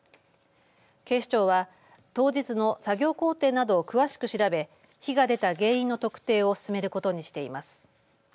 警視庁は当日の作業工程などを詳しく調べ火が出た原因の特定を進めることにしています。